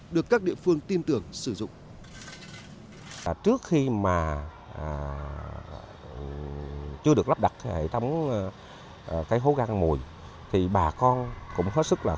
được các địa phương tin tưởng sử dụng